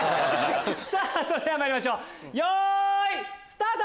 それではまいりましょうよいスタート！